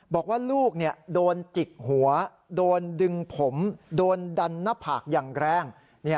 บอกว่าลูกโดนจิกหัวโดนดึงผมโดนดันหน้าผากอย่างแรง